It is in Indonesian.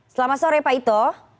selamat sore pak ito